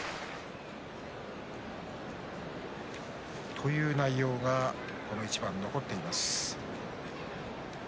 という内容がこの一番残っています。